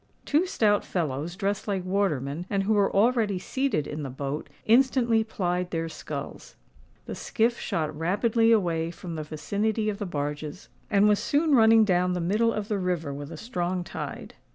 Two stout fellows, dressed like watermen, and who were already seated in the boat, instantly plied their sculls. The skiff shot rapidly away from the vicinity of the barges, and was soon running down the middle of the river with a strong tide.